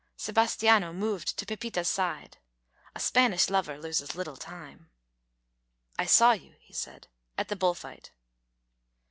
Sebastiano moved to Pepita's side. A Spanish lover loses little time. "I saw you," he said, "at the bull fight."